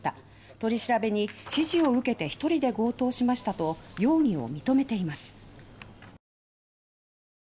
取り調べに指示を受けて１人で強盗しましたと容疑を認めています。